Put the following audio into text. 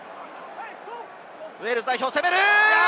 ウェールズ代表、攻める！